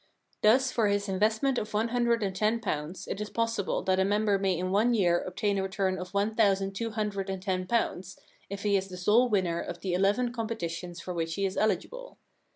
Thus for his investment of one hundred and ten pounds it is possible that a member 5 The Problem Club may in one year obtain a return of one thousand two hundred and ten pounds, if he is the sole winner of the eleven competitions for which he is eligible.